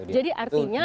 nah itu dia